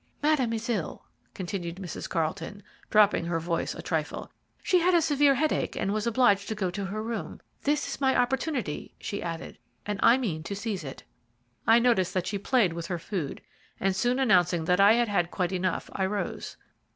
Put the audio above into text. "Madame is ill," continued Mrs. Carlton, dropping her voice a trifle; "she had a severe headache, and was obliged to go to her room. This is my opportunity," she added, "and I mean to seize it." I noticed that she played with her food, and soon announcing that I had had quite enough, I rose.